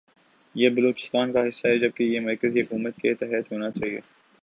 یہ اب بلوچستان کا حصہ ھے جبکہ یہ مرکزی حکومت کے تحت ھوناچاھیے۔